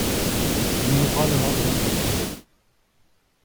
Il mourra le lendemain matin.